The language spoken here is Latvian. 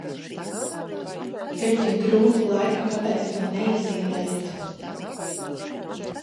Ir tik grūti laiki, kāpēc to neizīrējat?